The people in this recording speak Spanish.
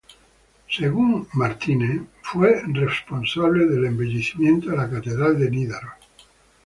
Según Snorri, fue responsable del embellecimiento de la Catedral de Nidaros.